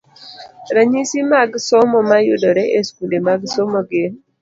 Ranyisi mag somo mayudore e skunde mag somo gin: